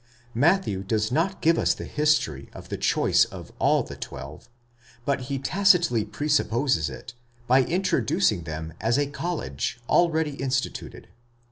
Matthew does not give us the history of the choice of all the twelve, but he tacitly presupposes it by introducing them as a college already instituted (x.